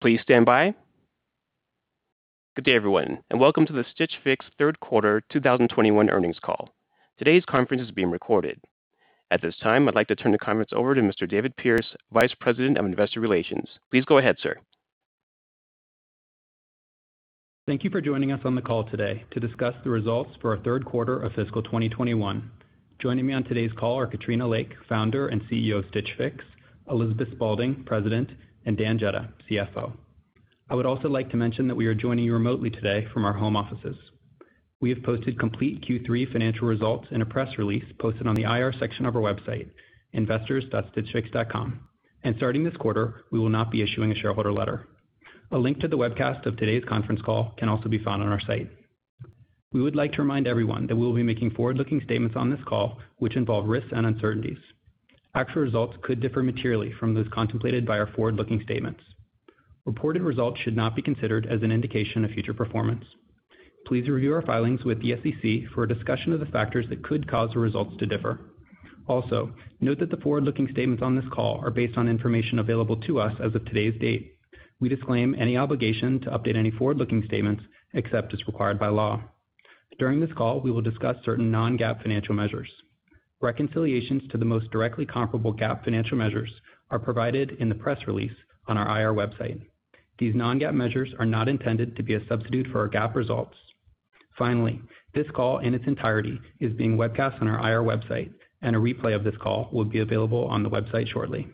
Good day, everyone, and welcome to the Stitch Fix third quarter 2021 earnings call. Today's conference is being recorded. At this time, I'd like to turn the comments over to Mr. David Pearce, Vice President of Investor Relations. Please go ahead, sir. Thank you for joining us on the call today to discuss the results for our third quarter of fiscal 2021. Joining me on today's call are Katrina Lake, Founder and CEO of Stitch Fix; Elizabeth Spaulding, President; and Dan Jedda, CFO. I would also like to mention that we are joining you remotely today from our home offices. We have posted complete Q3 financial results in a press release posted on the IR section of our website, investors.stitchfix.com. Starting this quarter, we will not be issuing a shareholder letter. A link to the webcast of today's conference call can also be found on our site. We would like to remind everyone that we'll be making forward-looking statements on this call, which involve risks and uncertainties. Actual results could differ materially from those contemplated by our forward-looking statements. Reported results should not be considered as an indication of future performance. Please review our filings with the SEC for a discussion of the factors that could cause the results to differ. Also, note that the forward-looking statements on this call are based on information available to us as of today's date. We disclaim any obligation to update any forward-looking statements except as required by law. During this call, we will discuss certain non-GAAP financial measures. Reconciliations to the most directly comparable GAAP financial measures are provided in the press release on our IR website. These non-GAAP measures are not intended to be a substitute for our GAAP results. Finally, this call in its entirety is being webcast on our IR website, and a replay of this call will be available on the website shortly.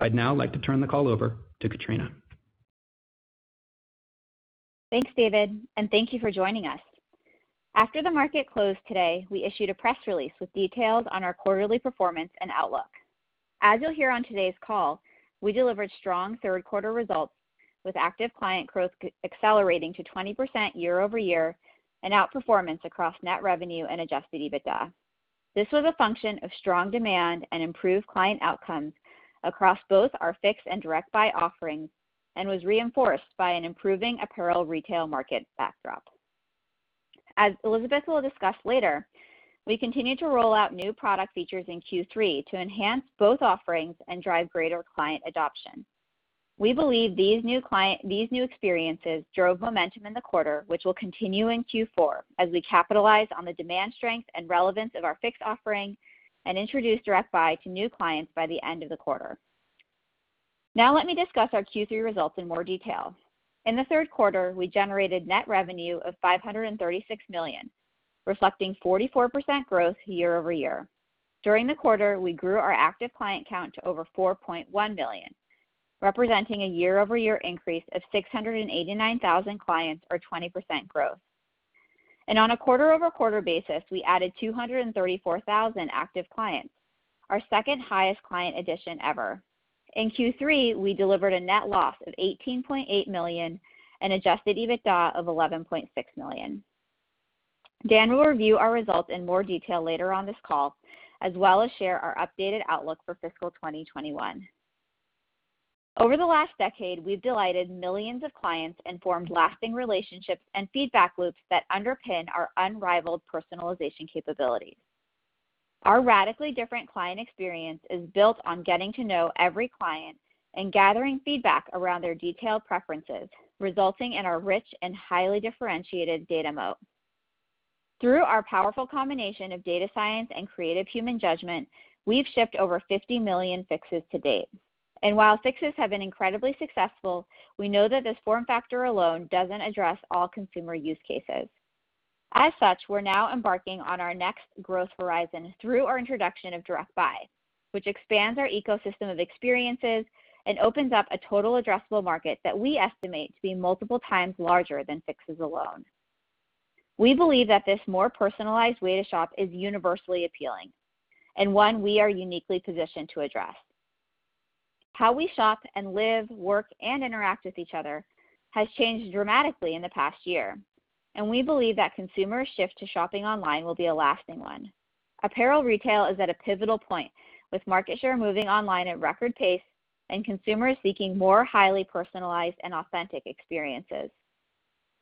I'd now like to turn the call over to Katrina. Thanks, David, and thank you for joining us. After the market closed today, we issued a press release with details on our quarterly performance and outlook. As you'll hear on today's call, we delivered strong third quarter results with active client growth accelerating to 20% year-over-year and outperformance across net revenue and adjusted EBITDA. This was a function of strong demand and improved client outcomes across both our Fix and Direct Buy offerings, and was reinforced by an improving apparel retail market backdrop. As Elizabeth will discuss later, we continued to roll out new product features in Q3 to enhance both offerings and drive greater client adoption. We believe these new experiences drove momentum in the quarter, which will continue in Q4 as we capitalize on the demand strength and relevance of our Fix offering and introduce Direct Buy to new clients by the end of the quarter. Let me discuss our Q3 results in more detail. In the third quarter, we generated net revenue of $536 million, reflecting 44% growth year-over-year. During the quarter, we grew our active client count to over 4.1 million, representing a year-over-year increase of 689,000 clients or 20% growth. On a quarter-over-quarter basis, we added 234,000 active clients, our second-highest client addition ever. In Q3, we delivered a net loss of $18.8 million and adjusted EBITDA of $11.6 million. Dan will review our results in more detail later on this call, as well as share our updated outlook for fiscal 2021. Over the last decade, we've delighted millions of clients and formed lasting relationships and feedback loops that underpin our unrivaled personalization capabilities. Our radically different client experience is built on getting to know every client and gathering feedback around their detailed preferences, resulting in a rich and highly differentiated data moat. Through our powerful combination of data science and creative human judgment, we've shipped over 50 million Fixes to date. While Fixes have been incredibly successful, we know that this form factor alone doesn't address all consumer use cases. As such, we're now embarking on our next growth horizon through our introduction of Direct Buy, which expands our ecosystem of experiences and opens up a total addressable market that we estimate to be multiple times larger than Fixes alone. We believe that this more personalized way to shop is universally appealing, and one we are uniquely positioned to address. How we shop and live, work, and interact with each other has changed dramatically in the past year, and we believe that consumers' shift to shopping online will be a lasting one. Apparel retail is at a pivotal point, with market share moving online at record pace and consumers seeking more highly personalized and authentic experiences.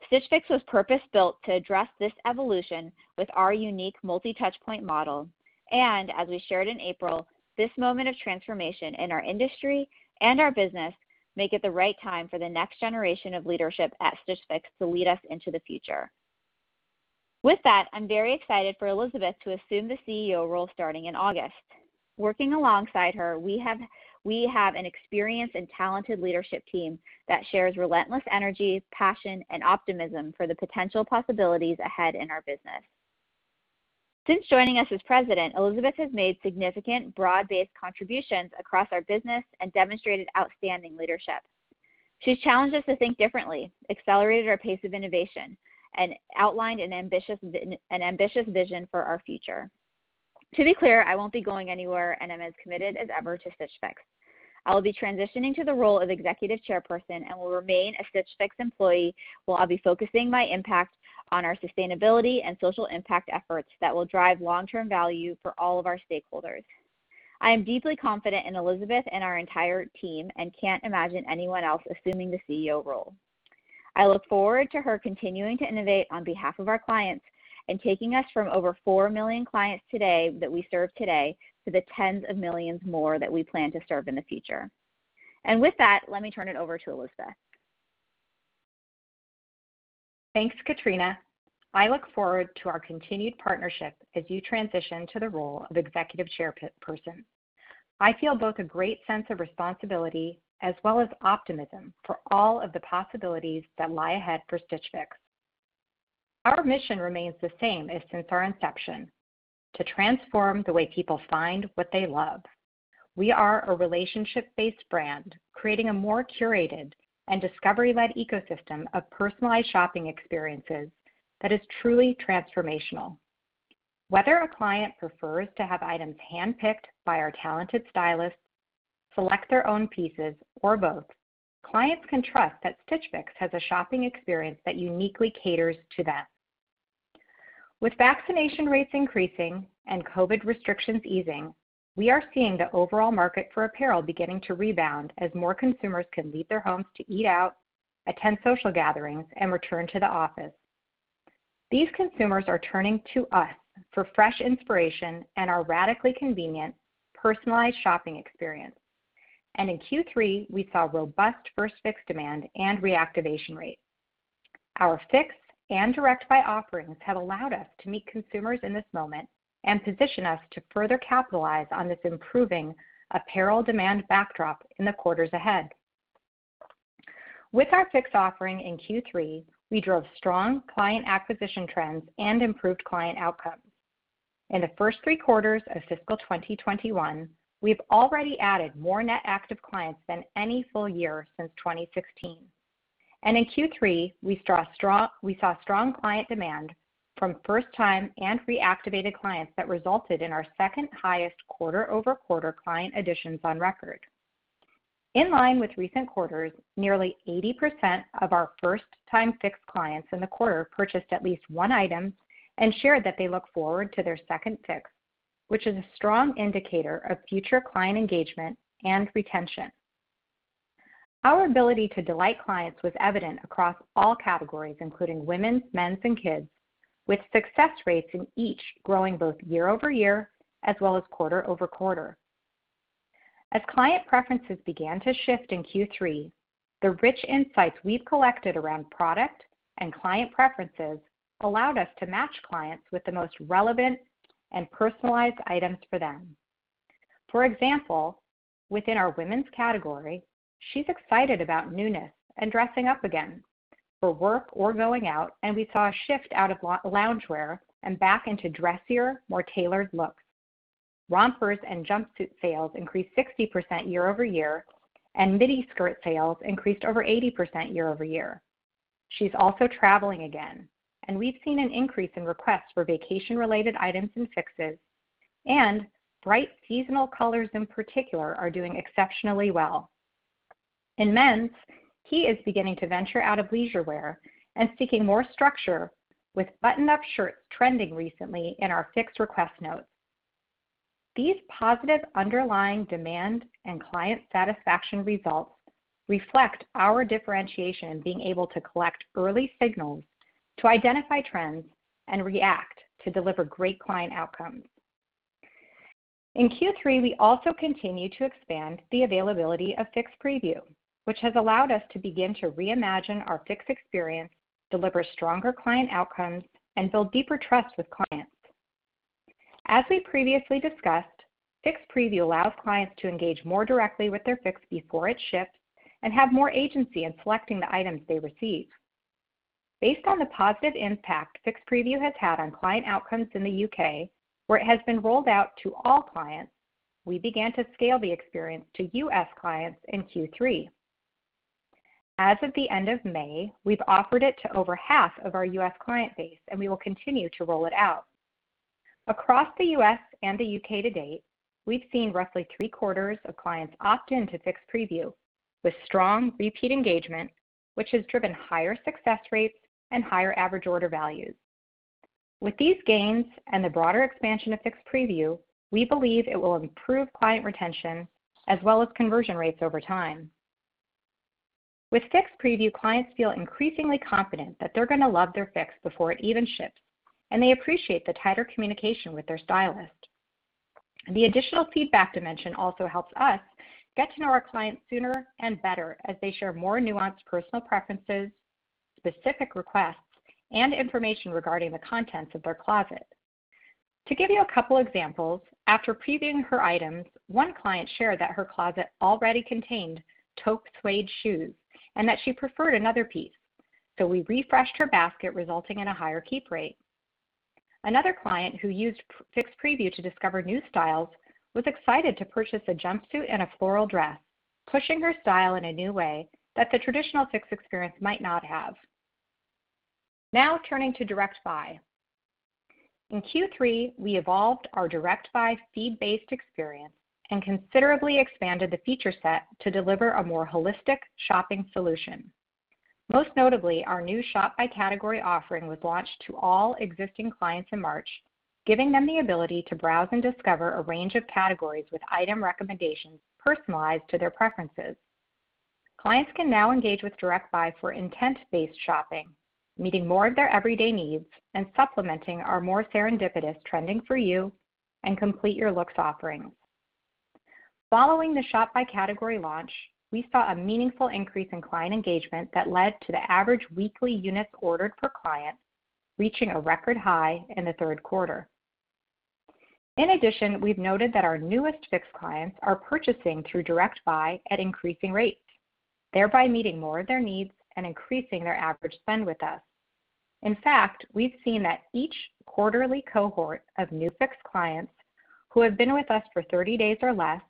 Stitch Fix was purpose-built to address this evolution with our unique multi-touchpoint model. As we shared in April, this moment of transformation in our industry and our business make it the right time for the next generation of leadership at Stitch Fix to lead us into the future. With that, I'm very excited for Elizabeth to assume the CEO role starting in August. Working alongside her, we have an experienced and talented leadership team that shares relentless energy, passion, and optimism for the potential possibilities ahead in our business. Since joining us as President, Elizabeth has made significant broad-based contributions across our business and demonstrated outstanding leadership. She's challenged us to think differently, accelerated our pace of innovation, and outlined an ambitious vision for our future. To be clear, I won't be going anywhere and am as committed as ever to Stitch Fix. I'll be transitioning to the role of Executive Chairperson and will remain a Stitch Fix employee, while I'll be focusing my impact on our sustainability and social impact efforts that will drive long-term value for all of our stakeholders. I am deeply confident in Elizabeth and our entire team and can't imagine anyone else assuming the CEO role. I look forward to her continuing to innovate on behalf of our clients and taking us from over 4 million clients today that we serve today to the tens of millions more that we plan to serve in the future. With that, let me turn it over to Elizabeth Spaulding. Thanks, Katrina. I look forward to our continued partnership as you transition to the role of Executive Chairperson. I feel both a great sense of responsibility as well as optimism for all of the possibilities that lie ahead for Stitch Fix. Our mission remains the same as since our inception: to transform the way people find what they love. We are a relationship-based brand, creating a more curated and discovery-led ecosystem of personalized shopping experiences that is truly transformational. Whether a client prefers to have items handpicked by our talented stylists, select their own pieces, or both, clients can trust that Stitch Fix has a shopping experience that uniquely caters to them. With vaccination rates increasing and COVID restrictions easing, we are seeing the overall market for apparel beginning to rebound as more consumers can leave their homes to eat out, attend social gatherings, and return to the office. These consumers are turning to us for fresh inspiration and our radically convenient, personalized shopping experience. In Q3, we saw robust first Fix demand and reactivation rates. Our Fix and Direct Buy offerings have allowed us to meet consumers in this moment and position us to further capitalize on this improving apparel demand backdrop in the quarters ahead. With our Fix offering in Q3, we drove strong client acquisition trends and improved client outcomes. In the first three quarters of fiscal 2021, we've already added more net active clients than any full year since 2015. In Q3, we saw strong client demand from first-time and reactivated clients that resulted in our second-highest quarter-over-quarter client additions on record. In line with recent quarters, nearly 80% of our first-time Fix clients in the quarter purchased at least one item and shared that they look forward to their second Fix, which is a strong indicator of future client engagement and retention. Our ability to delight clients was evident across all categories, including Women's, Men's, and Kids, with success rates in each growing both year-over-year as well as quarter-over-quarter. As client preferences began to shift in Q3, the rich insights we've collected around product and client preferences allowed us to match clients with the most relevant and personalized items for them. For example, within our women's category, she's excited about newness and dressing up again for work or going out, and we saw a shift out of loungewear and back into dressier, more tailored looks. Rompers and jumpsuit sales increased 60% year-over-year, and midi skirt sales increased over 80% year-over-year. She's also traveling again. We've seen an increase in requests for vacation-related items and Fixes. Bright seasonal colors in particular are doing exceptionally well. In men's, he is beginning to venture out of leisurewear and seeking more structure with button-up shirts trending recently in our Fix request notes. These positive underlying demand and client satisfaction results reflect our differentiation being able to collect early signals to identify trends and react to deliver great client outcomes. In Q3, we also continued to expand the availability of Fix Preview, which has allowed us to begin to reimagine our Fix experience, deliver stronger client outcomes, and build deeper trust with clients. As we previously discussed, Fix Preview allows clients to engage more directly with their Fix before it's shipped and have more agency in selecting the items they receive. Based on the positive impact Fix Preview has had on client outcomes in the U.K., where it has been rolled out to all clients, we began to scale the experience to U.S. clients in Q3. As of the end of May, we've offered it to over half of our U.S. client base, and we will continue to roll it out. Across the U.S. and the U.K. to date, we've seen roughly 3/4 of clients opt into Fix Preview with strong repeat engagement, which has driven higher success rates and higher average order values. With these gains and the broader expansion of Fix Preview, we believe it will improve client retention as well as conversion rates over time. With Fix Preview, clients feel increasingly confident that they're going to love their Fix before it even ships, and they appreciate the tighter communication with their stylist. The additional feedback dimension also helps us get to know our clients sooner and better as they share more nuanced personal preferences, specific requests, and information regarding the contents of their closet. To give you a couple examples, after previewing her items, one client shared that her closet already contained taupe suede shoes and that she preferred another piece, so we refreshed her basket, resulting in a higher keep rate. Another client who used Fix Preview to discover new styles was excited to purchase a jumpsuit and a floral dress, pushing her style in a new way that the traditional Fix experience might not have. Now turning to Direct Buy. In Q3, we evolved our Direct Buy feed-based experience and considerably expanded the feature set to deliver a more holistic shopping solution. Most notably, our new Shop by Category offering was launched to all existing clients in March. Giving them the ability to browse and discover a range of categories with item recommendations personalized to their preferences. Clients can now engage with Direct Buy for intent-based shopping, meeting more of their everyday needs, and supplementing our more serendipitous Trending For You and Complete Your Look offerings. Following the Freestyle by Category launch, we saw a meaningful increase in client engagement that led to the average weekly units ordered per client reaching a record high in the third quarter. In addition, we've noted that our newest Fix clients are purchasing through Direct Buy at increasing rates, thereby meeting more of their needs and increasing their average spend with us. In fact, we've seen that each quarterly cohort of new Fix clients who have been with us for 30 days or less,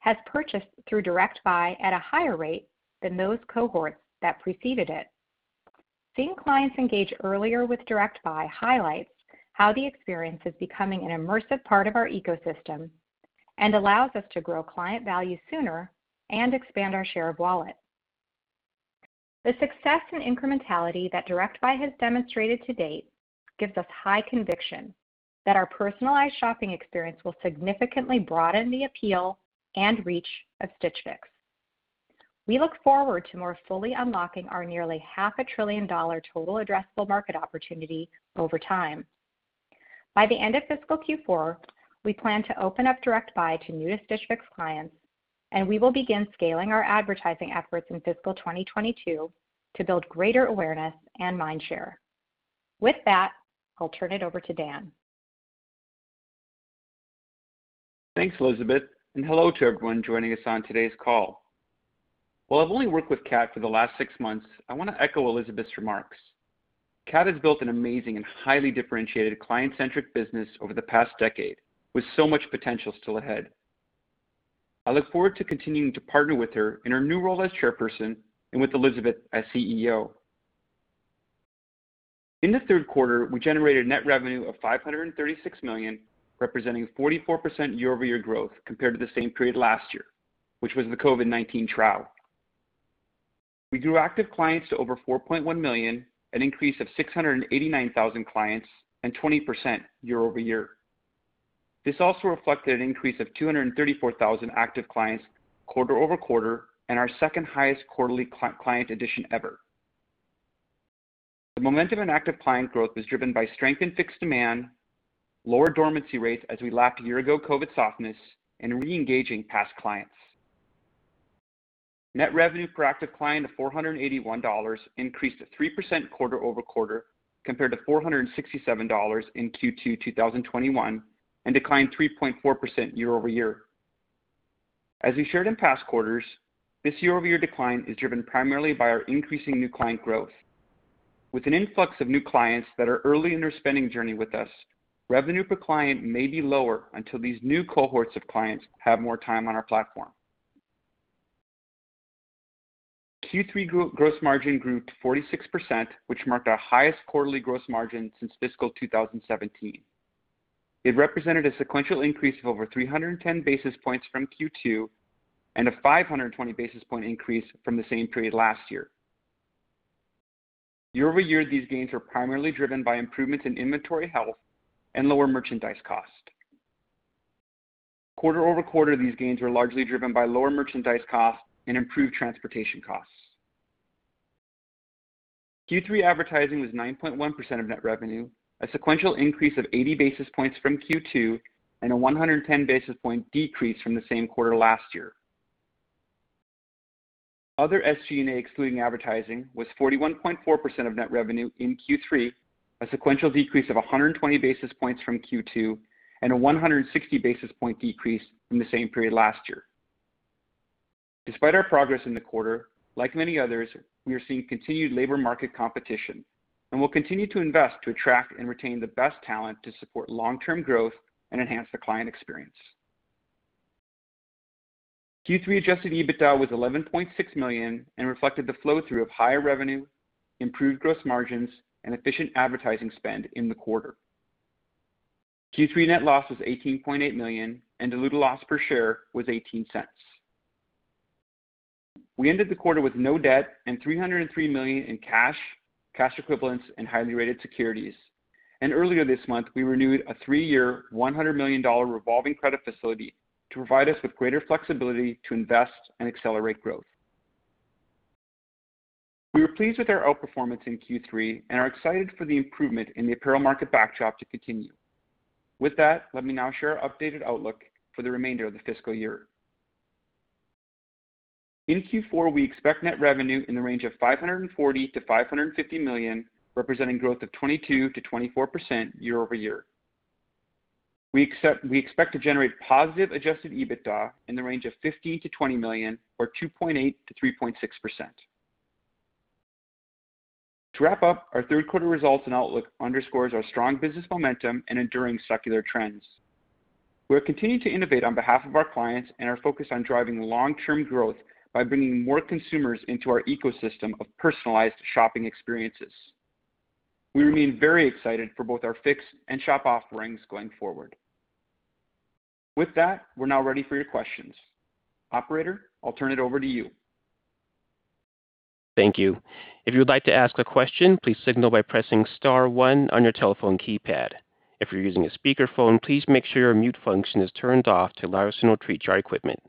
has purchased through Direct Buy at a higher rate than those cohorts that preceded it. Seeing clients engage earlier with Direct Buy highlights how the experience is becoming an immersive part of our ecosystem and allows us to grow client value sooner and expand our share of wallet. The success and incrementality that Direct Buy has demonstrated to date gives us high conviction that our personalized shopping experience will significantly broaden the appeal and reach of Stitch Fix. We look forward to more fully unlocking our nearly $500 billion total addressable market opportunity over time. By the end of fiscal Q4, we plan to open up Direct Buy to new Stitch Fix clients, and we will begin scaling our advertising efforts in fiscal 2022 to build greater awareness and mind share. With that, I'll turn it over to Dan. Thanks, Elizabeth. Hello to everyone joining us on today's call. While I've only worked with Kat for the last six months, I want to echo Elizabeth's remarks. Kat has built an amazing and highly differentiated client-centric business over the past decade, with so much potential still ahead. I look forward to continuing to partner with her in her new role as Chairperson and with Elizabeth as CEO. In the third quarter, we generated net revenue of $536 million, representing 44% year-over-year growth compared to the same period last year, which was the COVID-19 trough. We grew active clients to over 4.1 million, an increase of 689,000 clients and 20% year-over-year. This also reflected an increase of 234,000 active clients quarter-over-quarter and our second-highest quarterly client addition ever. The momentum in active client growth is driven by strength in Fix demand, lower dormancy rates as we lap a year ago COVID-19 softness, and reengaging past clients. Net revenue per active client of $481 increased at 3% quarter-over-quarter compared to $467 in Q2 2021, and declined 3.4% year-over-year. As we shared in past quarters, this year-over-year decline is driven primarily by our increasing new client growth. With an influx of new clients that are early in their spending journey with us, revenue per client may be lower until these new cohorts of clients have more time on our platform. Q3 gross margin grew to 46%, which marked our highest quarterly gross margin since fiscal 2017. It represented a sequential increase of over 310 basis points from Q2 and a 520 basis point increase from the same period last year. Year-over-year, these gains are primarily driven by improvements in inventory health and lower merchandise cost. Quarter-over-quarter, these gains are largely driven by lower merchandise cost and improved transportation costs. Q3 advertising was 9.1% of net revenue, a sequential increase of 80 basis points from Q2, and a 110 basis point decrease from the same quarter last year. Other SG&A excluding advertising, was 41.4% of net revenue in Q3, a sequential decrease of 120 basis points from Q2, and a 160 basis point decrease from the same period last year. Despite our progress in the quarter, like many others, we are seeing continued labor market competition, and we'll continue to invest to attract and retain the best talent to support long-term growth and enhance the client experience. Q3 adjusted EBITDA was $11.6 million and reflected the flow-through of higher revenue, improved gross margins, and efficient advertising spend in the quarter. Q3 net loss was $18.8 million, and diluted loss per share was $0.18. We ended the quarter with no debt and $303 million in cash equivalents, and highly rated securities. Earlier this month, we renewed a three-year, $100 million revolving credit facility to provide us with greater flexibility to invest and accelerate growth. We are pleased with our outperformance in Q3 and are excited for the improvement in the apparel market backdrop to continue. With that, let me now share our updated outlook for the remainder of the fiscal year. In Q4, we expect net revenue in the range of $540 million-$550 million, representing growth of 22%-24% year-over-year. We expect to generate positive adjusted EBITDA in the range of $15 million-$20 million or 2.8%-3.6%. To wrap up, our third quarter results and outlook underscores our strong business momentum and enduring secular trends. We are continuing to innovate on behalf of our clients and are focused on driving long-term growth by bringing more consumers into our ecosystem of personalized shopping experiences. We remain very excited for both our Fix and Freestyle offerings going forward. With that, we're now ready for your questions. Operator, I'll turn it over to you. Thank you. If you would like to ask a question, please signal by pressing star one on your telephone keypad. If you're using a speakerphone, please make sure your mute function is turned off to allow us to accurately treat our equipment.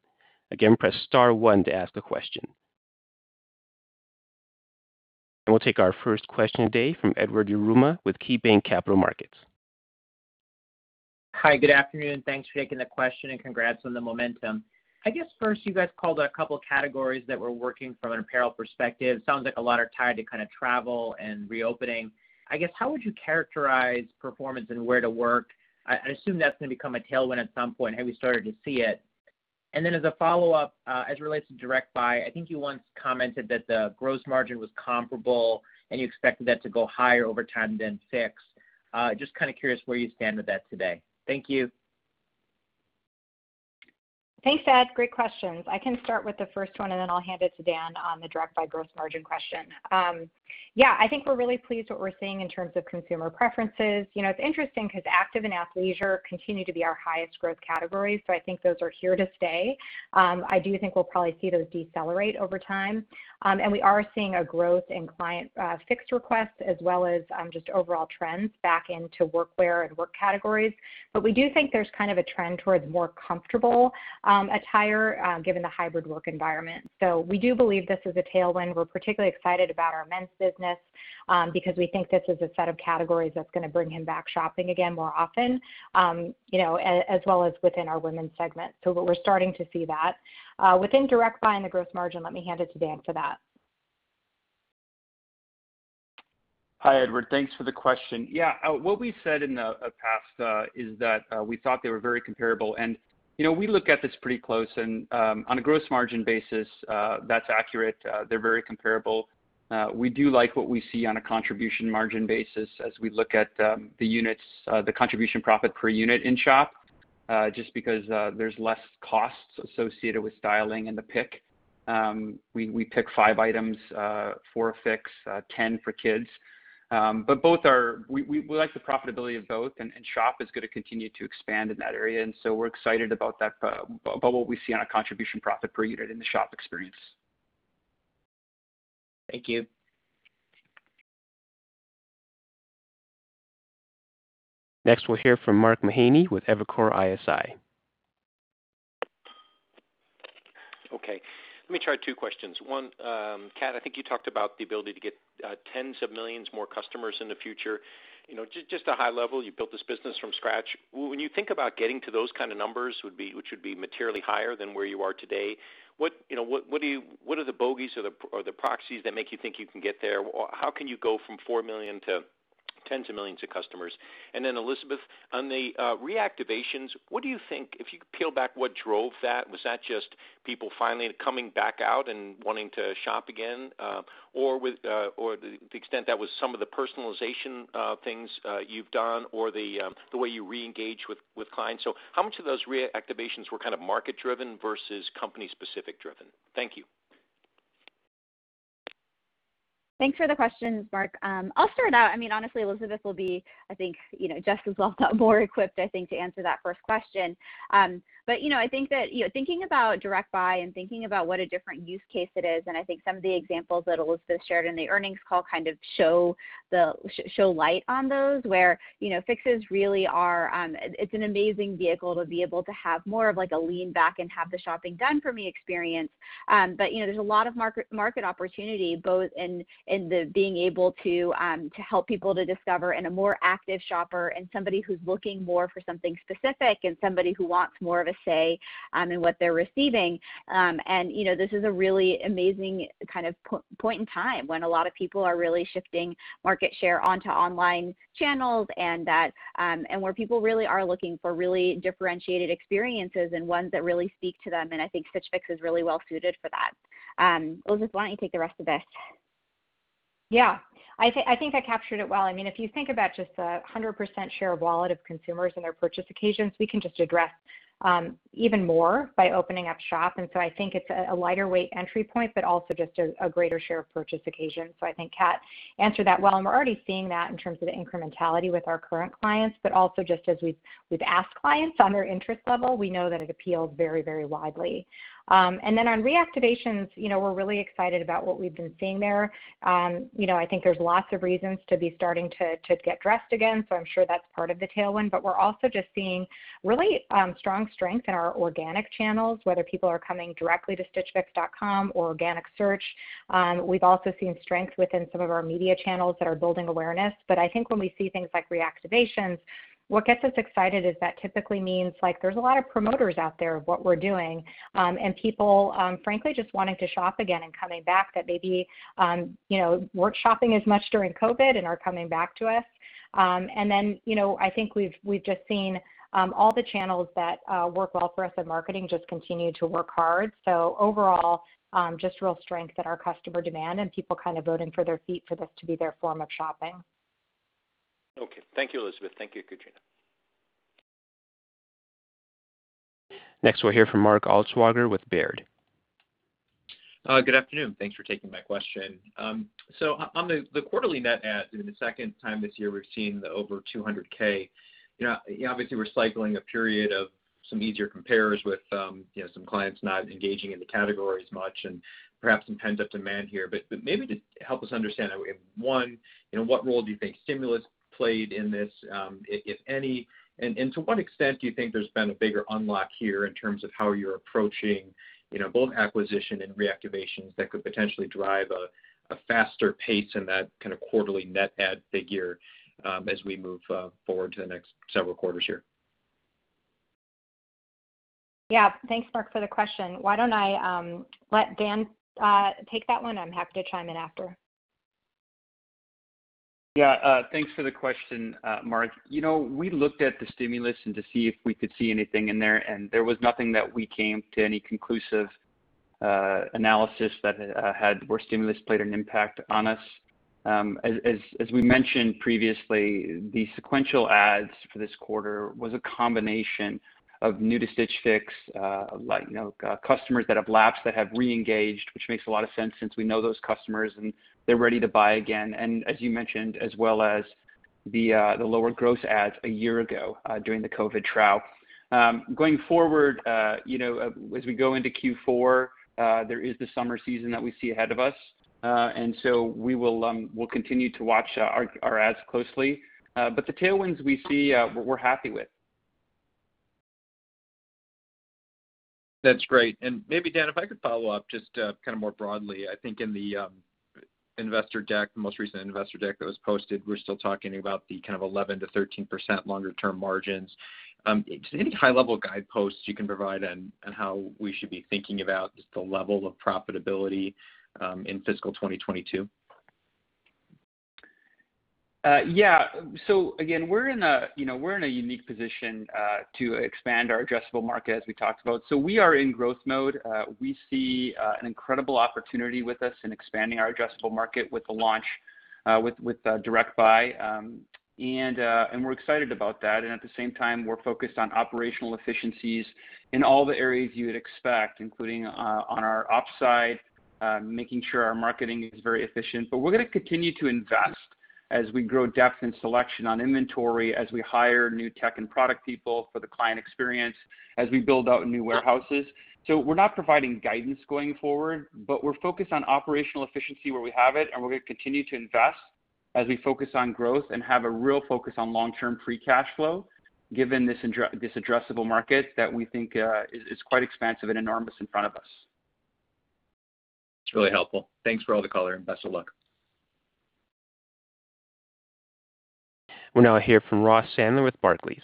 Again, press star one to ask the question. We'll take our first question today from Edward Yruma with KeyBanc Capital Markets. Hi, good afternoon. Thanks for taking the question, and congrats on the momentum. I guess first, you guys called out a couple of categories that were working from an apparel perspective. Sounds like a lot of tie to travel and reopening. I guess, how would you characterize performance and where to work? I assume that's going to become a tailwind at some point. Have you started to see it? As a follow-up, as it relates to Direct Buy, I think you once commented that the gross margin was comparable, and you expected that to go higher over time than Fix. Just curious where you stand with that today. Thank you. Thanks, Ed. Great questions. I can start with the first one, and then I'll hand it to Dan on the Direct Buy gross margin question. Yeah, I think we're really pleased with what we're seeing in terms of consumer preferences. It's interesting because active and athleisure continue to be our highest growth categories, so I think those are here to stay. I do think we'll probably see those decelerate over time. We are seeing a growth in client Fix requests, as well as just overall trends back into workwear and work categories. We do think there's a trend towards more comfortable attire, given the hybrid work environment. We do believe this is a tailwind. We're particularly excited about our men's business, because we think this is a set of categories that's going to bring him back shopping again more often, as well as within our women's segment. We're starting to see that. Within Direct Buy and the gross margin, let me hand it to Dan for that. Hi, Edward. Thanks for the question. Yeah. What we said in the past is that we thought they were very comparable. We look at this pretty close, and on a gross margin basis, that's accurate. They're very comparable. We do like what we see on a contribution margin basis as we look at the contribution profit per unit in Freestyle, just because there's less costs associated with styling and the pick. We pick five items for a Fix, 10 for kids. We like the profitability of both, Freestyle is going to continue to expand in that area. We're excited about what we see on a contribution profit per unit in the Freestyle experience. Thank you. Next, we'll hear from Mark Mahaney with Evercore ISI. Okay. Let me try two questions. One, Kat, I think you talked about the ability to get tens of millions more customers in the future. Just a high level, you built this business from scratch. When you think about getting to those kind of numbers, which would be materially higher than where you are today, what are the bogies or the proxies that make you think you can get there? How can you go from four million to 10 of millions of customers? Then Elizabeth, on the reactivations, what do you think, if you peel back what drove that, was that just people finally coming back out and wanting to shop again? The extent that was some of the personalization things you've done or the way you reengage with clients. How much of those reactivations were market-driven versus company-specific driven? Thank you. Thanks for the questions, Mark. I'll start out. Honestly, Elizabeth will be, I think, just as well, if not more equipped, I think, to answer that first question. I think that, thinking about Direct Buy and thinking about what a different use case it is, and I think some of the examples that Elizabeth shared in the earnings call show light on those. Where Fixes really are, it's an amazing vehicle to be able to have more of a lean back and have the shopping done for me experience. There's a lot of market opportunity, both in the being able to help people to discover and a more active shopper and somebody who's looking more for something specific and somebody who wants more of a say in what they're receiving. This is a really amazing point in time when a lot of people are really shifting market share onto online channels, and where people really are looking for really differentiated experiences and ones that really speak to them. I think Stitch Fix is really well-suited for that. Elizabeth, why don't you take the rest of this? Yeah. I think I captured it well. If you think about just the 100% share of wallet of consumers and their participation, we can just address even more by opening up Freestyle. I think it's a lighter weight entry point, but also just a greater share of participation. I think Kat answered that well. I'm already seeing that in terms of the incrementality with our current clients, but also just as we've asked clients on their interest level, we know that it appeals very widely. On reactivations, we're really excited about what we've been seeing there. There's lots of reasons to be starting to get dressed again, so I'm sure that's part of the tailwind. We're also just seeing really strong strength in our organic channels, whether people are coming directly to stitchfix.com, organic search. We've also seen strength within some of our media channels that are building awareness. When we see things like reactivations, what gets us excited is that typically means there's a lot of promoters out there of what we're doing. People, frankly, just wanting to shop again and coming back, that maybe weren't shopping as much during COVID-19 and are coming back to us. We've just seen all the channels that work well for us in marketing just continue to work hard. Overall, just real strength in our customer demand and people voting with their feet for this to be their form of shopping. Okay. Thank you, Elizabeth. Thank you, Katrina. Next, we'll hear from Mark Altschwager with Baird. Good afternoon. Thanks for taking my question. On the quarterly net add, the second time this year we've seen the over 200,000. You obviously were cycling a period of Some easier compares with some clients not engaging in the category as much, and perhaps some pent-up demand here. Maybe to help us understand how we have won, what role do you think stimulus played in this, if any? And to what extent do you think there's been a bigger unlock here in terms of how you're approaching both acquisition and reactivations that could potentially drive a faster pace in that kind of quarterly net add figure as we move forward to the next several quarters here? Yeah. Thanks, Mark, for the question. Why don't I let Dan take that one and I'm happy to chime in after. Yeah. Thanks for the question, Mark. We looked at the stimulus and to see if we could see anything in there, and there was nothing that we came to any conclusive analysis that had where stimulus played an impact on us. As we mentioned previously, the sequential adds for this quarter was a combination of new to Stitch Fix, customers that have lapsed that have reengaged, which makes a lot of sense since we know those customers and they're ready to buy again. As you mentioned, as well as the lower gross adds a year ago during the COVID trough. Going forward, as we go into Q4, there is the summer season that we see ahead of us. We'll continue to watch our adds closely. The tailwinds we see, we're happy with. That's great. Maybe Dan, if I could follow up just kind of more broadly, I think in the most recent investor deck that was posted, we're still talking about the kind of 11%-13% longer-term margins. Any high-level guideposts you can provide on how we should be thinking about just the level of profitability in fiscal 2022? Yeah. Again, we're in a unique position to expand our addressable market, as we talked about. We are in growth mode. We see an incredible opportunity with us in expanding our addressable market with the launch with Direct Buy. We're excited about that. At the same time, we're focused on operational efficiencies in all the areas you would expect, including on our ops side, making sure our marketing is very efficient. We're going to continue to invest as we grow depth and selection on inventory, as we hire new tech and product people for the client experience, as we build out new warehouses. We're not providing guidance going forward, but we're focused on operational efficiency where we have it, and we're going to continue to invest as we focus on growth and have a real focus on long-term free cash flow, given this addressable market that we think is quite expansive and enormous in front of us. It's really helpful. Thanks for all the color, and best of luck. We'll now hear from Ross Sandler with Barclays.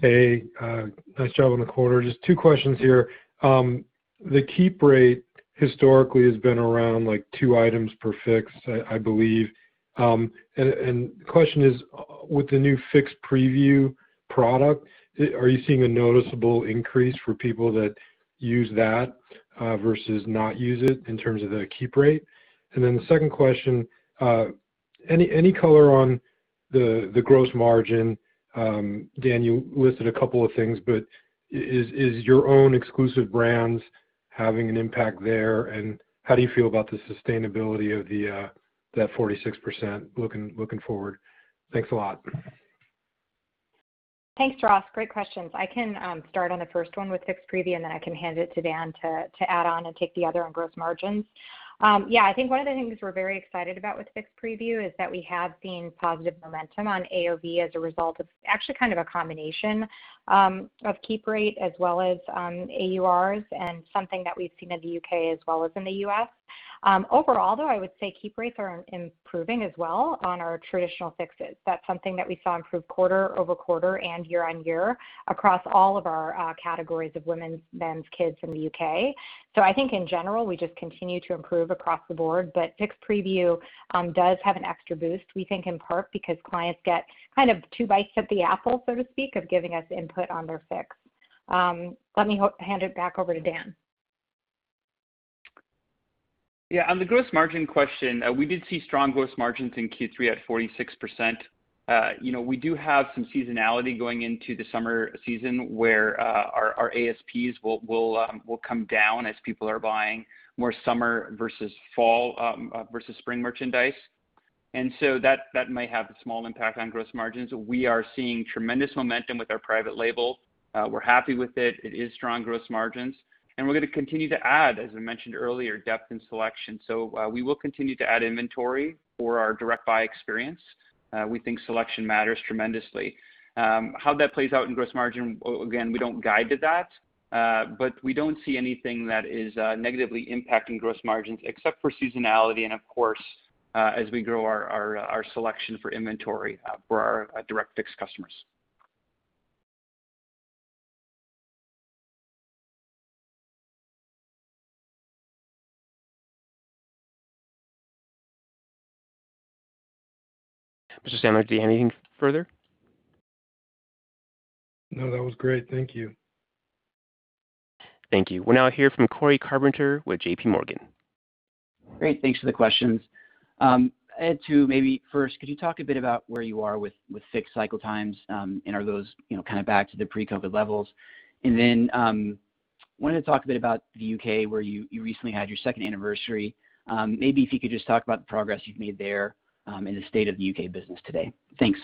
Hey, nice job on the quarter. Just two questions here. The keep rate historically has been around two items per Fix, I believe. The question is, with the new Fix Preview product, are you seeing a noticeable increase for people that use that versus not use it in terms of that keep rate? The second question, any color on the gross margin? Dan, you listed a couple of things, but is your own exclusive brands having an impact there? How do you feel about the sustainability of that 46% looking forward? Thanks a lot. Thanks, Ross. Great questions. I can start on the first one with Fix Preview, and then I can hand it to Dan to add on and take the other on gross margins. I think one of the things we're very excited about with Fix Preview is that we have seen positive momentum on AOV as a result of actually kind of a combination of keep rate as well as AURs and something that we've seen in the U.K. as well as in the U.S. Overall, though, I would say keep rates are improving as well on our traditional Fixes. That's something that we saw improve quarter-over-quarter and year-on-year across all of our categories of women's, men's, kids in the U.K. I think in general, we just continue to improve across the board. Fix Preview does have an extra boost, we think in part because clients get kind of two bites at the apple, so to speak, of giving us input on their Fix. Let me hand it back over to Dan. Yeah, on the gross margin question, we did see strong gross margins in Q3 at 46%. We do have some seasonality going into the summer season where our ASPs will come down as people are buying more summer versus fall, versus spring merchandise. That may have a small impact on gross margins. We are seeing tremendous momentum with our private label. We're happy with it. It is strong gross margins. We're going to continue to add, as I mentioned earlier, depth and selection. We will continue to add inventory for our Direct Buy experience. We think selection matters tremendously. How that plays out in gross margin, again, we don't guide to that. We don't see anything that is negatively impacting gross margins except for seasonality and of course, as we grow our selection for inventory for our Direct Buy customers. Just Dan, do you want to add anything further? No, that was great. Thank you. Thank you. We'll now hear from Cory Carpenter with JPMorgan. Great, thanks for the questions. I had two. Maybe first, could you talk a bit about where you are with Fix cycle times and are those kind of back to the pre-COVID levels? Wanted to talk today about the U.K., where you recently had your second anniversary. Maybe if you could just talk about the progress you've made there, and the state of the U.K. business today. Thanks.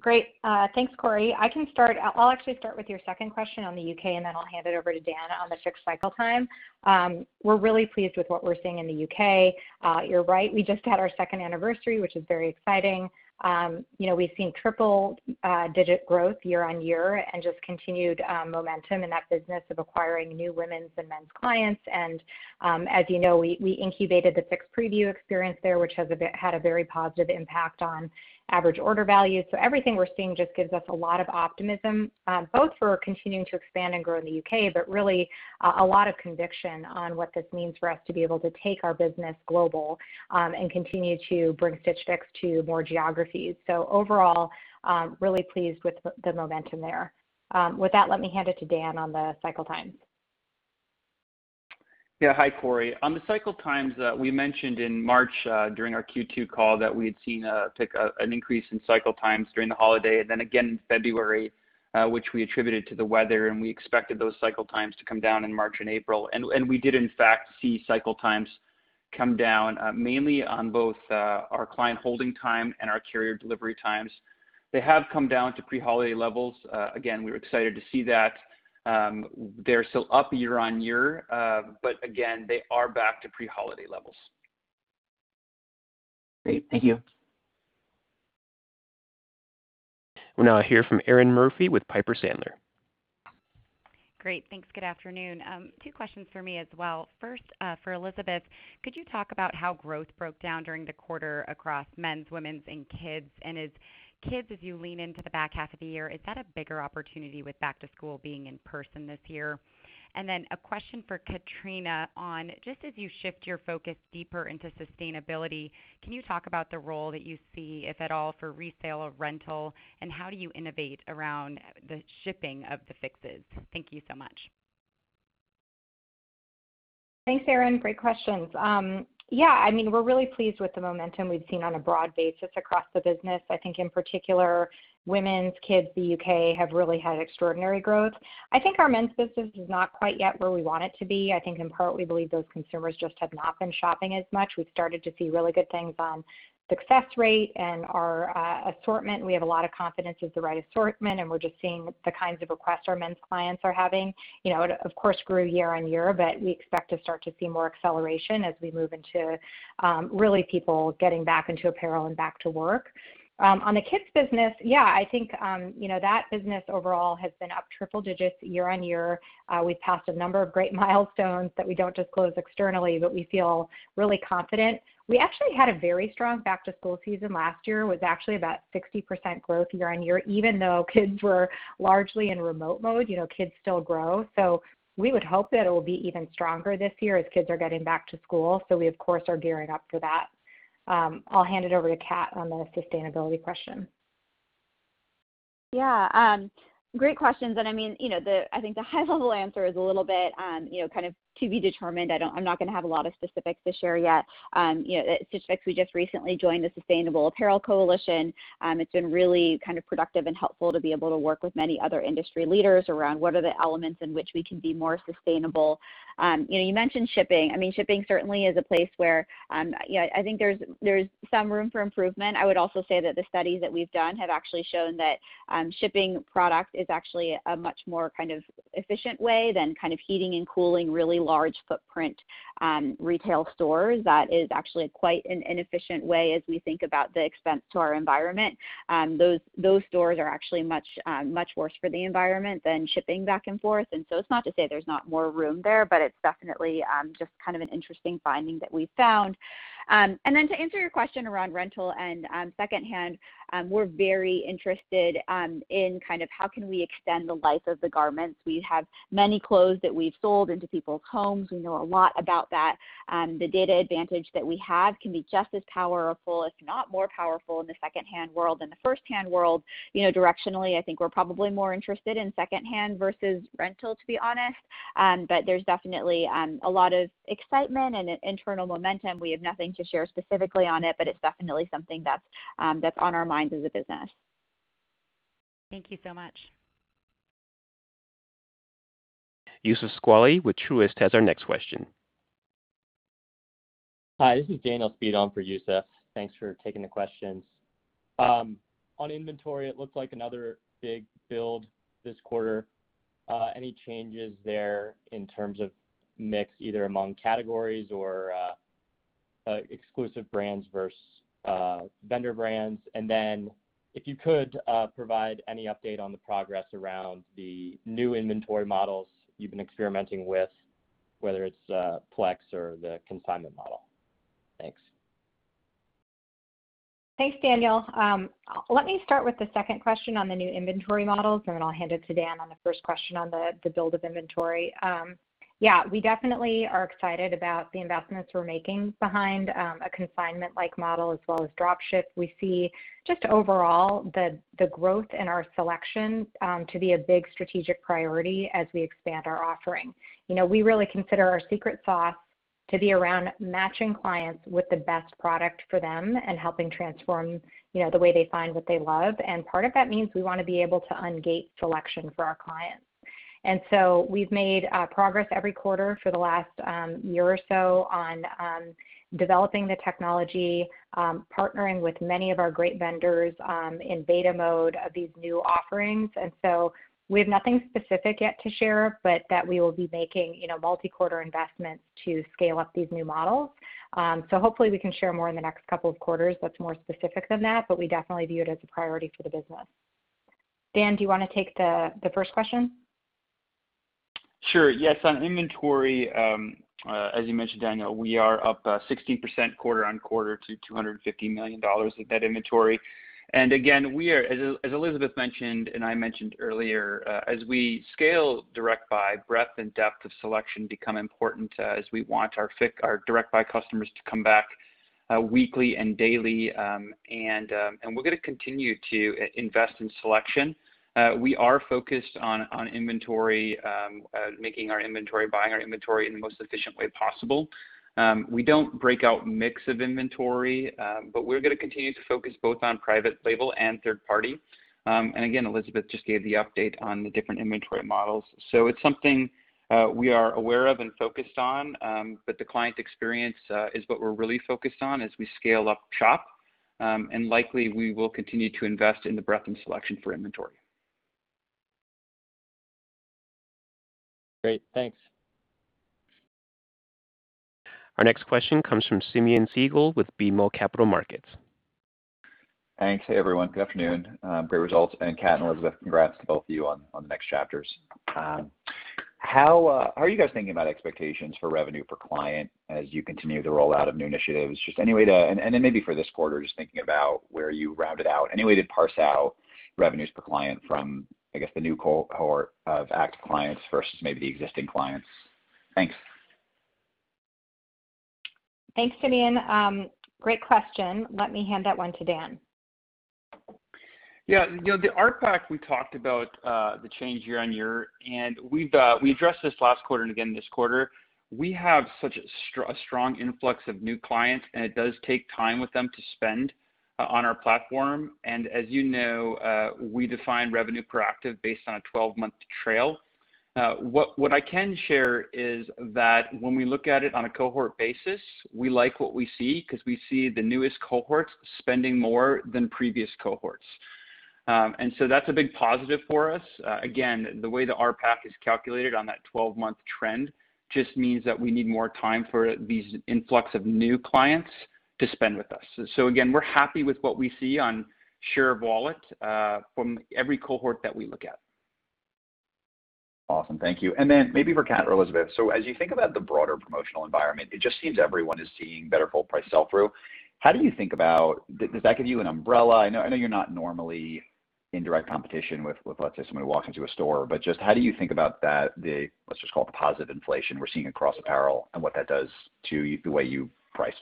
Great. Thanks, Cory. I can start. I'll actually start with your second question on the U.K., and then I'll hand it over to Dan Jedda on the ship cycle time. We're really pleased with what we're seeing in the U.K. You're right, we just had our second anniversary, which is very exciting. We've seen triple-digit growth year-over-year and just continued momentum in that business of acquiring new women's and men's clients. As you know, we incubated the Fix Preview experience there, which has had a very positive impact on average order value. Everything we're seeing just gives us a lot of optimism, both for continuing to expand and grow in the U.K., but really a lot of conviction on what this means for us to be able to take our business global, and continue to bring Stitch Fix to more geographies. Overall, really pleased with the momentum there. With that, let me hand it to Dan on the cycle times. Hi, Cory. On the cycle times, we mentioned in March, during our Q2 call, that we had seen an increase in cycle times during the holiday, and then again in February, which we attributed to the weather, and we expected those cycle times to come down in March and April. We did in fact see cycle times come down, mainly on both our client holding time and our carrier delivery times. They have come down to pre-holiday levels. Again, we were excited to see that. They're still up year-over-year, but again, they are back to pre-holiday levels. Great. Thank you. We'll now hear from Erinn Murphy with Piper Sandler. Great. Thanks. Good afternoon. Two questions from me as well. First, for Elizabeth, could you talk about how growth broke down during the quarter across men's, women's, and kids? As you lean into the back half of the year, is that a bigger opportunity with back-to-school being in person this year? A question for Katrina on, just as you shift your focus deeper into sustainability, can you talk about the role that you see, if at all, for resale or rental, and how do you innovate around the shipping of the Fixes? Thank you so much. Thanks, Erinn. Great questions. We're really pleased with the momentum we've seen on a broad basis across the business. I think in particular, Women's, Kids, the U.K., have really had extraordinary growth. I think our Men's business is not quite yet where we want it to be. I think in part, we believe those consumers just have not been shopping as much. We've started to see really good things on success rate and our assortment. We have a lot of confidence it's the right assortment, and we're just seeing the kinds of requests our Men's clients are having. Of course, grew year-over-year, but we expect to start to see more acceleration as we move into really people getting back into apparel and back to work. The Kids business, I think that business overall has been up triple-digits year-over-year. We've passed a number of great milestones that we don't disclose externally. We feel really confident. We actually had a very strong back-to-school season last year. It was actually about 60% growth year-on-year, even though kids were largely in remote mode, kids still grow. We would hope that it will be even stronger this year as kids are getting back-to-school. We of course, are gearing up for that. I'll hand it over to Kat on the sustainability question. Yeah. Great question. I think the high level answer is a little bit, kind of to be determined. I'm not going to have a lot of specifics to share yet. Stitch Fix, we just recently joined the Sustainable Apparel Coalition. It's been really productive and helpful to be able to work with many other industry leaders around what are the elements in which we can be more sustainable. You mentioned shipping. Shipping certainly is a place where I think there's some room for improvement. I would also say that the study that we've done had actually shown that shipping product is actually a much more efficient way than heating and cooling really large footprint retail stores. That is actually quite an inefficient way as we think about the extent to our environment. Those stores are actually much worse for the environment than shipping back and forth. It's not to say there's not more room there, but it's definitely just kind of an interesting finding that we found. To answer your question around rental and secondhand, we're very interested in how can we extend the life of the garments. We have many clothes that we've sold into people's homes. We know a lot about that. The data advantage that we have can be just as powerful, if not more powerful, in the secondhand world than the firsthand world. Directionally, I think we're probably more interested in secondhand versus rental, to be honest. There's definitely a lot of excitement and an internal momentum. We have nothing to share specifically on it, but it's definitely something that's on our minds as a business. Thank you so much. Youssef Squali with Truist has our next question. Hi, this is Daniel Speed on for Youssef Squali. Thanks for taking the questions. On inventory, it looked like another big build this quarter. Any changes there in terms of mix, either among categories or exclusive brands versus vendor brands? Then if you could, provide any update on the progress around the new inventory models you've been experimenting with, whether it's Flex Fix or the consignment model. Thanks. Thanks, Daniel. Let me start with the second question on the new inventory models, then I'll hand it to Dan on the first question on the build of inventory. Yeah, we definitely are excited about the investments we're making behind a consignment-like model as well as dropship. We see just overall the growth in our selections to be a big strategic priority as we expand our offering. We really consider our secret sauce to be around matching clients with the best product for them and helping transform the way they find what they love. Part of that means we want to be able to ungate selection for our clients. We've made progress every quarter for the last year or so on developing the technology, partnering with many of our great vendors in beta mode of these new offerings. We have nothing specific yet to share, but that we will be making multi-quarter investments to scale up these new models. Hopefully we can share more in the next couple of quarters that's more specific than that, but we definitely view it as a priority for the business. Dan, do you want to take the first question? Sure. Yes. On inventory, as you mentioned, Dan Jedda, we are up 16% quarter-over-quarter to $250 million of net inventory. Again, as Elizabeth mentioned, and I mentioned earlier, as we scale Direct Buy, breadth and depth of selection become important as we want our Direct Buy customers to come back weekly and daily. We're going to continue to invest in selection. We are focused on making our inventory, buying our inventory in the most efficient way possible. We don't break out mix of inventory, but we're going to continue to focus both on private label and third party. Again, Elizabeth just gave the update on the different inventory models. It's something we are aware of and focused on. The client experience is what we're really focused on as we scale up Shop, and likely we will continue to invest in the breadth and selection for inventory. Great. Thanks. Our next question comes from Simeon Siegel with BMO Capital Markets. Thanks. Hey, everyone. Good afternoon. Great results. Kat and Elizabeth, congrats to both of you on next chapters. How are you guys thinking about expectations for revenue per client as you continue to roll out new initiatives? Just any way to, and maybe for this quarter, just thinking about where you break it out, any way to parse out revenues per client from, I guess, the new cohort of active clients versus maybe existing clients? Thanks. Thanks, Simeon. Great question. Let me hand that one to Dan. Yeah. The RPAC, we talked about the change year-over-year, and we addressed this last quarter and again this quarter. We have such a strong influx of new clients, and it does take time with them to spend on our platform. As you know, we define revenue per active based on a 12-month trail. What I can share is that when we look at it on a cohort basis, we like what we see because we see the newest cohorts spending more than previous cohorts. That's a big positive for us. Again, the way the RPAC is calculated on that 12-month trend just means that we need more time for these influx of new clients to spend with us. Again, we're happy with what we see on share of wallet from every cohort that we look at. Awesome. Thank you. Then maybe for Kat or Elizabeth. As you think about the broader promotional environment, it just seems everyone is seeing better full-price sell-through. How do you think about, because that could be an umbrella. I know you're not normally in direct competition with what gets when we walk into a store, but just how do you think about that, let's just call it positive inflation we're seeing across apparel and what that does to the way you price?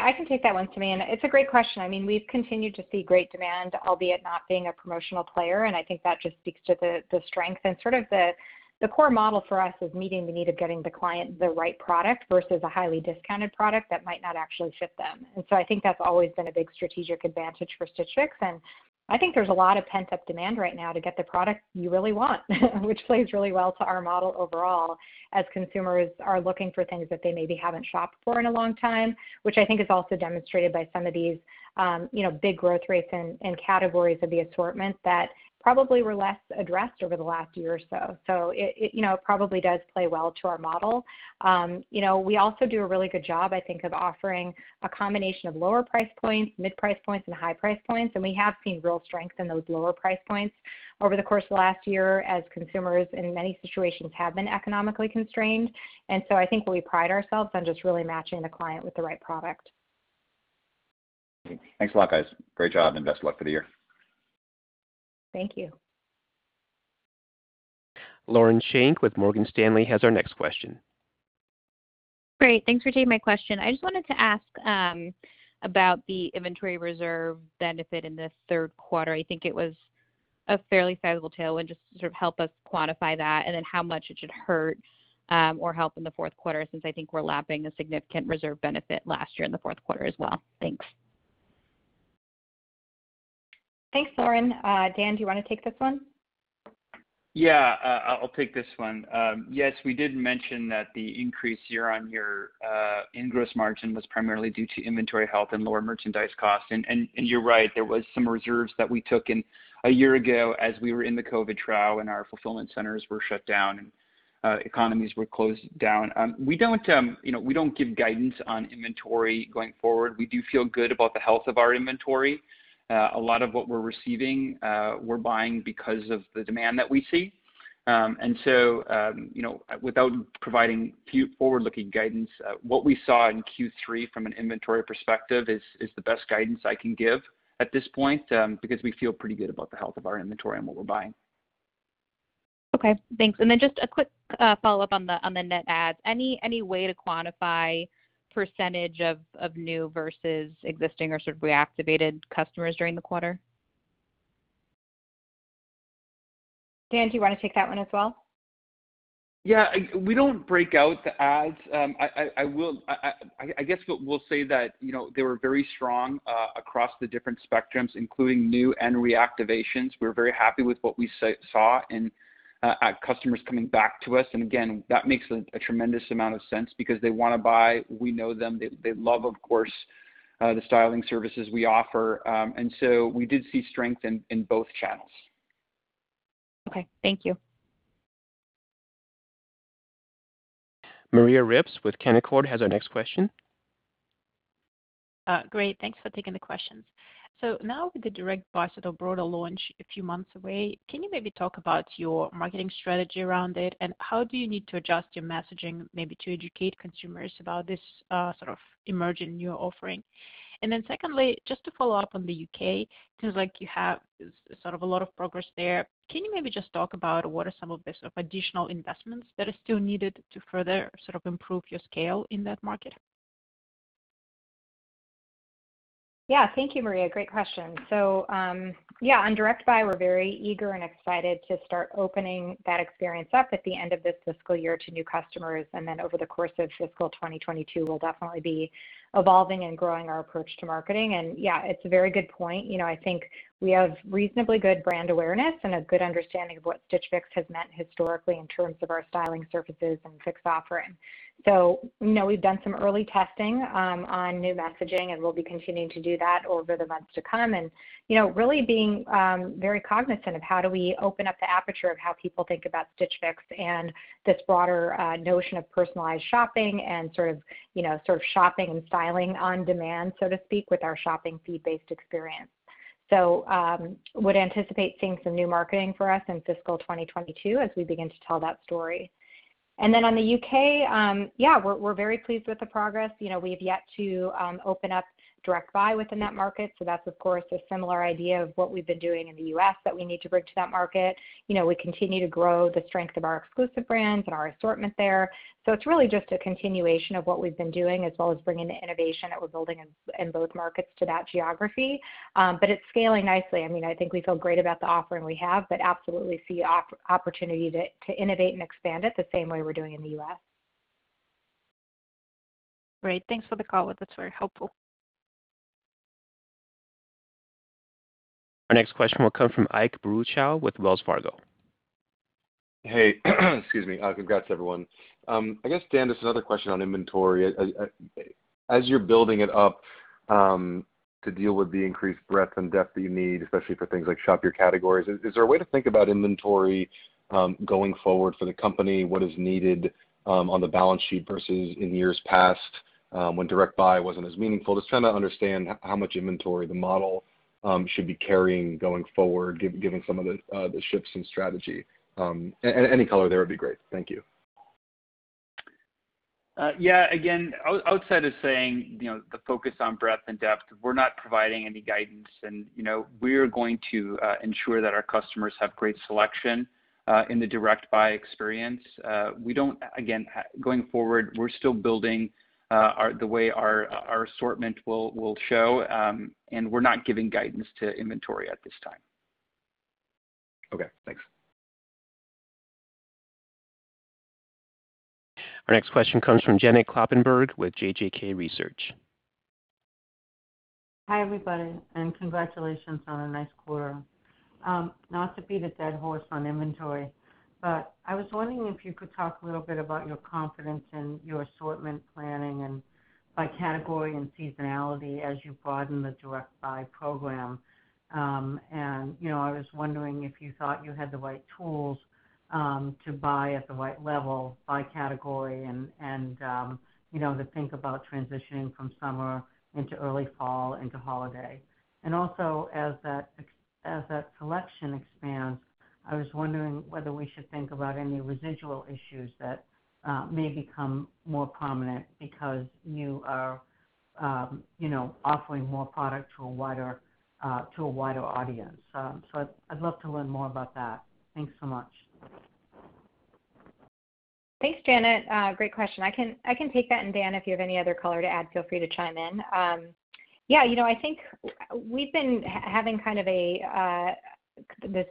I can take that one, Simeon. It's a great question. We've continued to see great demand, albeit not being a promotional player, and I think that just speaks to the strength and sort of the core model for us is meeting the need of getting the client the right product versus a highly discounted product that might not actually fit them. I think that's always been a big strategic advantage for Stitch Fix, and I think there's a lot of pent-up demand right now to get the product you really want which plays really well to our model overall, as consumers are looking for things that they maybe haven't shopped for in a long time, which I think is also demonstrated by some of these big growth rates in categories of the assortment that probably were less addressed over the last year or so. It probably does play well to our model. We also do a really good job, I think, of offering a combination of lower-price points, mid-price points, and high-price points, and we have seen real strength in those lower-price points over the course of the last year as consumers, in many situations, have been economically constrained. I think what we pride ourselves on just really matching the client with the right product. Thanks a lot, guys. Great job and best luck for the year. Thank you. Lauren Schenk with Morgan Stanley has our next question. Great. Thanks for taking my question. I just wanted to ask about the inventory reserve benefit in the third quarter. I think it was a fairly sizable tailwind, just to sort of help us quantify that and then how much it should hurt or help in the fourth quarter since I think we're lapping a significant reserve benefit last year in the fourth quarter as well. Thanks. Thanks, Lauren. Dan, do you want to take this one? Yeah, I'll take this one. Yes, we did mention that the increase year-over-year gross margin was primarily due to inventory health and lower merchandise costs. You're right, there was some reserves that we took in a year ago as we were in the COVID-19 and our fulfillment centers were shut down, economies were closed down. We don't give guidance on inventory going forward. We do feel good about the health of our inventory. A lot of what we're receiving, we're buying because of the demand that we see. Without providing forward-looking guidance, what we saw in Q3 from an inventory perspective is the best guidance I can give at this point, because we feel pretty good about the health of our inventory and what we're buying. Okay, thanks. Just a quick follow-up on the net add. Any way to quantify % of new versus existing or sort of reactivated customers during the quarter? Dan, do you want to take that one as well? Yeah. We don't break out the adds. I guess what we'll say that they were very strong across the different spectrums, including new and reactivations. We're very happy with what we saw in customers coming back to us. Again, that makes a tremendous amount of sense because they want to buy. We know them. They love, of course, the styling services we offer. We did see strength in both channels. Okay. Thank you. Maria Ripps with Canaccord has our next question. Great. Thanks for taking the questions. Now with the Direct Buy sort of broader launch a few months away, can you maybe talk about your marketing strategy around it, and how do you need to adjust your messaging maybe to educate consumers about this sort of emerging new offering? Secondly, just to follow up on the U.K., because you have sort of a lot of progress there. Can you maybe just talk about what are some of the sort of additional investments that are still needed to further sort of improve your scale in that market? Thank you, Maria. Great question. On Direct Buy, we're very eager and excited to start opening that experience up at the end of this fiscal year to new customers. Over the course of fiscal 2022, we'll definitely be evolving and growing our approach to marketing. It's a very good point. I think we have reasonably good brand awareness and a good understanding of what Stitch Fix has meant historically in terms of our styling services and Fix offering. We've done some early testing on new messaging, and we'll be continuing to do that over the months to come. Really being very cognizant of how do we open up the aperture of how people think about Stitch Fix and this broader notion of personalized shopping and sort of shopping and styling on demand, so to speak, with our shopping feed-based experience. Would anticipate seeing some new marketing for us in fiscal 2022 as we begin to tell that story. On the U.K., yeah, we're very pleased with the progress. We've yet to open up Direct Buy within that market. That's of course a similar idea of what we've been doing in the U.S. that we need to bring to that market. We continue to grow the strength of our exclusive brands and our assortment there. It's really just a continuation of what we've been doing, as well as bringing the innovation that we're building in both markets to that geography. It's scaling nicely. I think we feel great about the offering we have, but absolutely see opportunity to innovate and expand it the same way we're doing in the U.S. Great. Thanks for the call. That's very helpful. Our next question will come from Ike Boruchow with Wells Fargo. Hey. Excuse me. Congrats, everyone. I guess, Dan, just another question on inventory. As you're building it up to deal with the increased breadth and depth that you need, especially for things like shop your categories, is there a way to think about inventory going forward for the company? What is needed on the balance sheet versus in years past when Direct Buy wasn't as meaningful? Just trying to understand how much inventory the model should be carrying going forward, given some of the shifts in strategy. Any color there would be great. Thank you. Yeah. Again, outside of saying the focus on breadth and depth, we're not providing any guidance and we are going to ensure that our customers have great selection in the Direct Buy experience. Again, going forward, we're still building the way our assortment will show, and we're not giving guidance to inventory at this time. Okay, thanks. Our next question comes from Janet Kloppenburg with JJK Research. Hi, everybody. Congratulations on a nice quarter. Not to beat a dead horse on inventory, I was wondering if you could talk a little bit about your confidence in your assortment planning and by category and seasonality as you broaden the Direct Buy program. I was wondering if you thought you had the right tools to buy at the right level by category and to think about transitioning from summer into early fall into holiday. Also as that selection expands, I was wondering whether we should think about any residual issues that may become more prominent because you are offering more product to a wider audience. I'd love to learn more about that. Thanks so much. Thanks, Janet. Great question. I can take that, and Dan, if you have any other color to add, feel free to chime in. Yeah, I think we've been having kind of a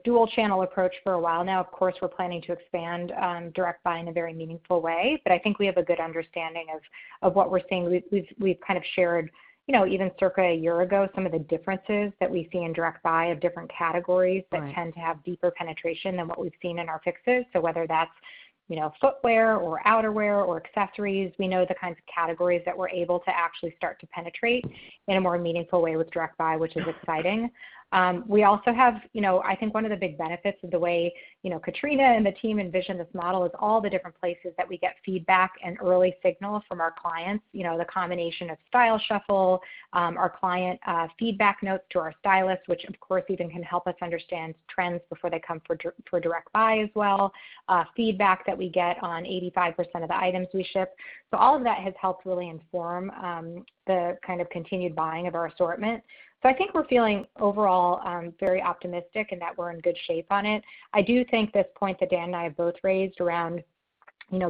dual channel approach for a while now. Of course, we're planning to expand on Direct Buy in a very meaningful way, but I think we have a good understanding of what we're seeing. We've kind of shared, even circa a year ago, some of the differences that we see in Direct Buy of different categories that tend to have deeper penetration than what we've seen in our Fixes. Whether that's footwear or outerwear or accessories, we know the kinds of categories that we're able to actually start to penetrate in a more meaningful way with Direct Buy, which is exciting. I think one of the big benefits of the way Katrina and the team envision this model is all the different places that we get feedback and early signals from our clients. The combination of Style Shuffle, our client feedback notes to our stylists, which of course, again, can help us understand trends before they come for Direct Buy as well, feedback that we get on 85% of items we ship. All of that has helped really inform the kind of continued buying of our assortment. I think we're feeling overall very optimistic and that we're in good shape on it. I do think the points that Dan and I both raised around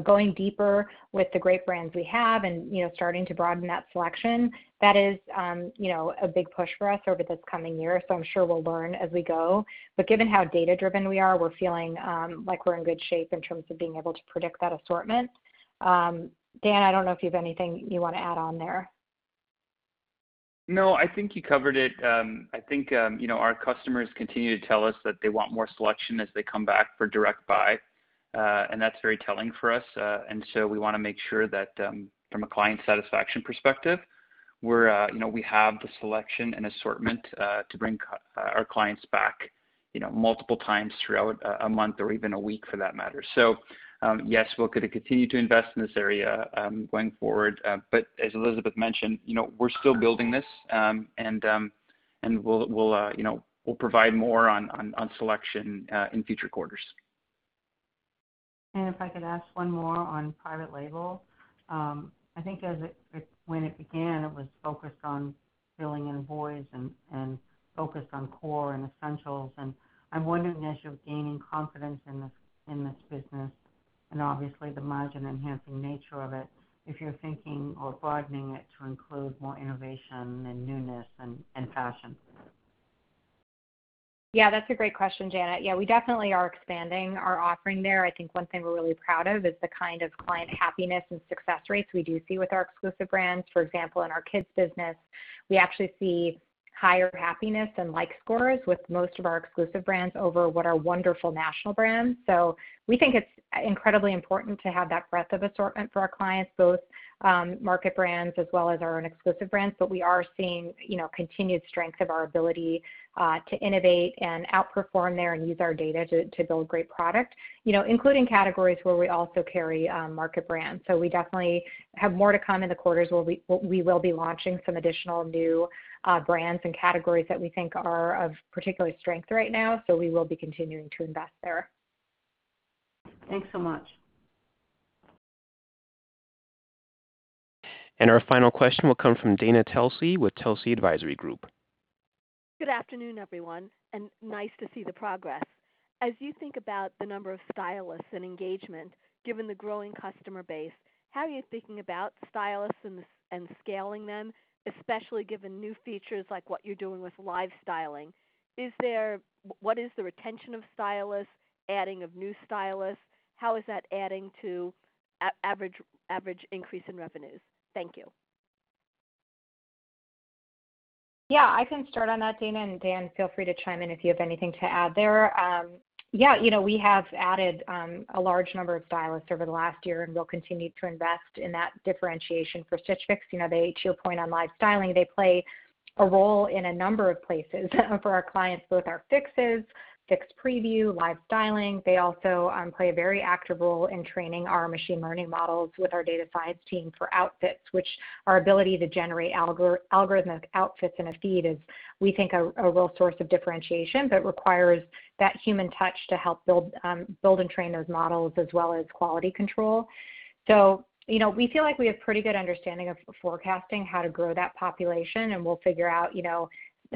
going deeper with the great brands we have and starting to broaden that selection, that is a big push for us over this coming year. I'm sure we'll learn as we go. Given how data-driven we are, we're feeling like we're in good shape in terms of being able to predict that assortment. Dan, I don't know if you have anything you want to add on there. No, I think you covered it. I think our customers continue to tell us that they want more selection as they come back for Direct Buy, that's very telling for us. We want to make sure that from a client satisfaction perspective, we have the selection and assortment to bring our clients back multiple times throughout a month or even a week for that matter. Yes, we're going to continue to invest in this area going forward. As Elizabeth mentioned, we're still building this, and we'll provide more on selection in future quarters. If I could ask one more on private label. I think when it began, it was focused on filling in voids and focused on core and essentials. I'm wondering as you're gaining confidence in this business, and obviously the margin enhancing nature of it, if you're thinking of broadening it to include more innovation and newness and fashion? Yeah, that's a great question, Janet. We definitely are expanding our offering there. I think one thing we're really proud of is the kind of client happiness and success rates we do see with our exclusive brands. For example, in our kids business, we actually see higher happiness and like scores with most of our exclusive brands over what are wonderful national brands. We think it's incredibly important to have that breadth of assortment for our clients, both market brands as well as our own exclusive brands. We are seeing continued strength of our ability to innovate and outperform there and use our data to build great product, including categories where we also carry market brands. We definitely have more to come in the quarters where we will be launching some additional new brands and categories that we think are of particular strength right now. We will be continuing to invest there. Thanks so much. Our final question will come from Dana Telsey with Telsey Advisory Group. Good afternoon, everyone. Nice to see the progress. As you think about the number of stylists and engagement, given the growing customer base, how are you thinking about stylists and scaling them, especially given new features like what you're doing with Live Styling? What is the retention of stylists, adding of new stylists? How is that adding to average increase in revenues? Thank you. Yeah, I can start on that, Dana, and Dan, feel free to chime in if you have anything to add there. Yeah, we have added a large number of stylists over the last year, and we'll continue to invest in that differentiation for Stitch Fix. To your point on Live Styling, they play a role in a number of places for our clients, both our Fixes, Fix Preview, Live Styling. They also play a very active role in training our machine learning models with our data science team for Outfits, which our ability to generate algorithmic outfits in a feed is, we think, a real source of differentiation, but requires that human touch to help build and train those models as well as quality control. We feel like we have a pretty good understanding of forecasting how to grow that population, and we'll figure out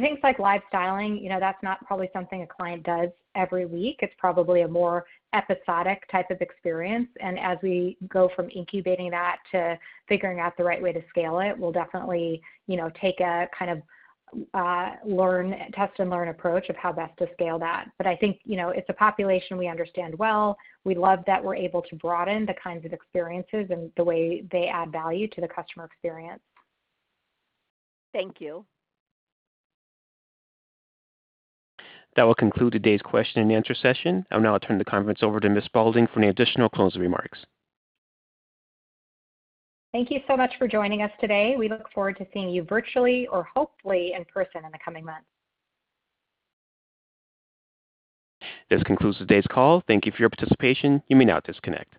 things like Live Styling. That's not probably something a client does every week. It's probably a more episodic type of experience. As we go from incubating that to figuring out the right way to scale it, we'll definitely take a test and learn approach of how best to scale that. I think it's a population we understand well. We love that we're able to broaden the kinds of experiences and the way they add value to the customer experience. Thank you. That will conclude today's question and answer session. I'll now turn the conference over to Ms. Spaulding for any additional closing remarks. Thank you so much for joining us today. We look forward to seeing you virtually or hopefully in person in the coming months. This concludes today's call. Thank you for your participation. You may now disconnect.